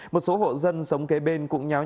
một số hộ dân sống kế bên cũng nhận được